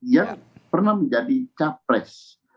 yang pernah menjadi capres